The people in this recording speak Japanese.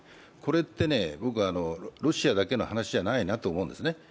これって僕はロシアだけの話じゃないなと思うんですね。